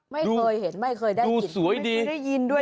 ไม่เคยเห็นไม่เคยได้มิติไม่เคยได้ยินด้วย